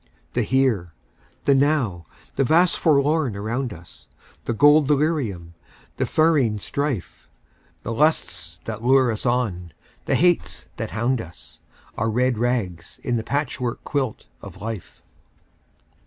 The Here, the Now, the vast Forlorn around us; The gold delirium, the ferine strife; The lusts that lure us on, the hates that hound us; Our red rags in the patch work quilt of Life.